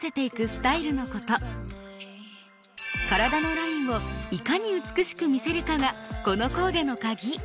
体のラインをいかに美しく見せるかがこのコーデの鍵。